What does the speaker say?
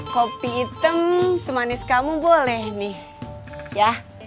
kopi hitam semanis kamu boleh nih ya